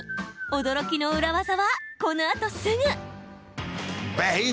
驚きの裏技は、このあとすぐ。